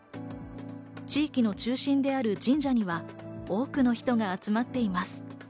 地域の中心にある神社には多くの人が集まっています。